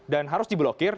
dan harus di blokir